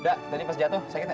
udah tadi pas jatuh sakit ga